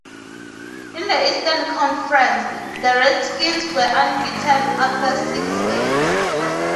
In the Eastern conference, the Redskins were unbeaten after six games.